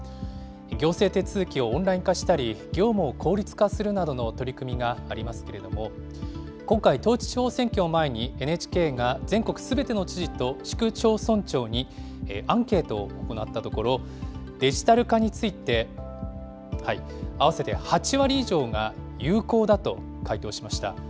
行政手続きをオンライン化したり、業務を効率化するなどの取り組みがありますけれども、今回、統一地方選挙を前に、ＮＨＫが全国すべての知事と市区町村長にアンケートを行ったところ、デジタル化について、合わせて８割以上が有効だと回答しました。